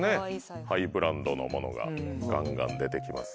ハイブランドのものがガンガン出て来ます。